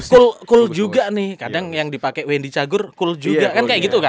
cool cool juga nih kadang yang dipakai wendy cagur cool juga kan kayak gitu kan